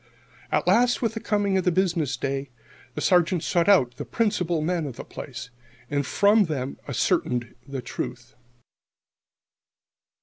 At last, with the coming of the business day, the Sergeant sought out the principal men of the place, and from them ascertained the truth.